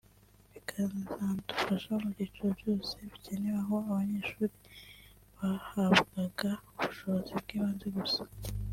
bikazanadufasha mu byiciro byose bikenerwa aho abanyeshuri bahabwaga ubushobozi bw’ibanze gusa